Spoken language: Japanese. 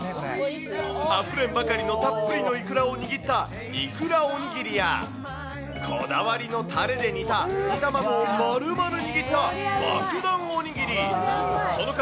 あふれんばかりのたっぷりのいくらを握ったいくらおにぎりや、こだわりのたれで煮た、煮卵を丸々握ったばくだんおにぎり、その数